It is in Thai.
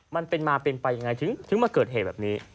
มันเป็นมาเป็นไปยังไงถึงมาเกิดเหตุแบบนี้